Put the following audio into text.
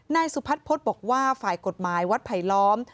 นายสุพัฒพฤษบอกว่าฝ่ายกฎหมายวัดไผลล้อม